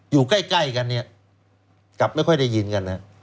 อยู่ใกล้กันเนี่ยกลับไม่ค่อยได้ยินกันนะ